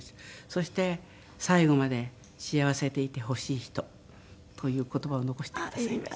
そして「最後まで幸せでいてほしい人」という言葉を残してくださいました。